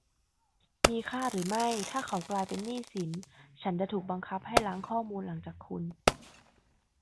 มีค่าหรือไม่ถ้าเขากลายเป็นหนี้สินฉันจะถูกบังคับให้ล้างข้อมูลหลังจากคุณ